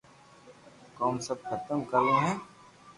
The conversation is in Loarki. ڪوم سب ختم ڪروہ ھي